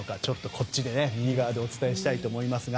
こっちでお伝えしたいと思いますが。